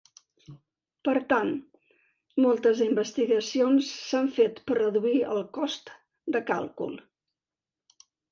Per tant, moltes investigacions s'han fet per reduir el cost de càlcul.